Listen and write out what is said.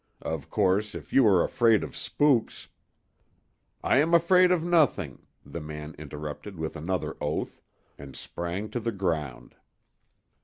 Of course if you are afraid of spooks—" "I am afraid of nothing," the man interrupted with another oath, and sprang to the ground.